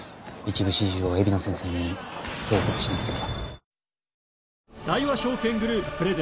一部始終を海老名先生に報告しなければ。